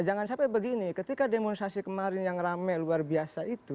jangan sampai begini ketika demonstrasi kemarin yang rame luar biasa itu